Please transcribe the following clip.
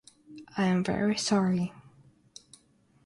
I am very sorry...